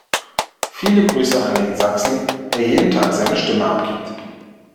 Viele Grüße an den Sachsen, der jeden Tag seine Stimme abgibt!